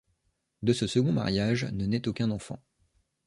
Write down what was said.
De ce second mariage ne naît aucun enfant.